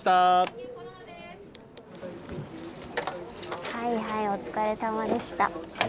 はいお疲れさまでした。